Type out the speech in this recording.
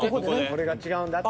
俺が違うんだって。